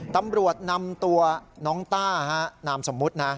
ตำรวจนำตัวน้องต้านามสมมุตินะ